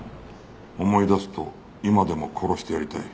「思い出すと今でも殺してやりたい」